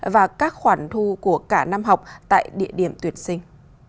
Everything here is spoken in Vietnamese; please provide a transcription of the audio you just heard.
và các khoản thu của cả năm học tại địa điểm tuyển sinh